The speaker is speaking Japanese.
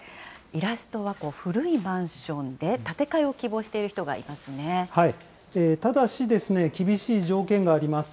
イラストは古いマンションで、建て替えを希望している人がいまただし、厳しい条件があります。